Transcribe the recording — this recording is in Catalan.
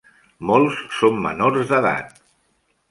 Molts són menors d'edat.